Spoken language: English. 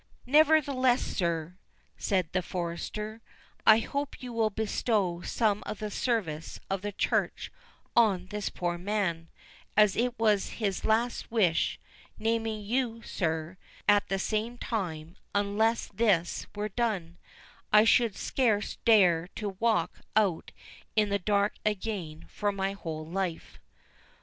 "Nevertheless, sir," said the forester, "I hope you will bestow some of the service of the Church on this poor man, as it was his last wish, naming you, sir, at the same time; and unless this were done, I should scarce dare to walk out in the dark again for my whole life."